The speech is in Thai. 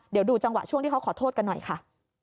เดี๋ยวดูจังหวะช่วงที่เขาขอโทษกันหน่อยค่ะ